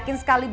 nanti aku jalan